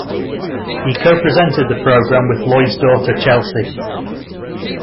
He co-presented the programme with Lloyd's daughter Chelsey.